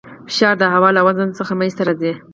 فشار د هوا له وزن څخه منځته راځي.